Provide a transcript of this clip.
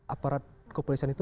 aparat kepolisian itu